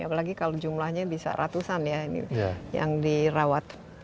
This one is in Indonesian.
apalagi kalau jumlahnya bisa ratusan ya yang dirawat